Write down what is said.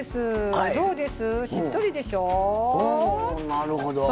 なるほど。